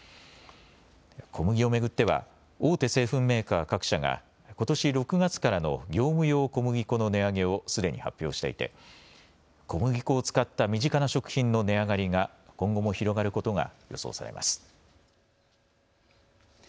小麦を巡っては大手製粉メーカー各社がことし６月からの業務用小麦粉の値上げをすでに発表していて小麦粉を使った身近な食品の値上がりが今後も広がることが予想されます。